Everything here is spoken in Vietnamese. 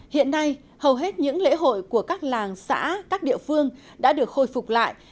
hiện nay hầu hết những lễ hội của các làng xã các địa phương đã được khôi phục lại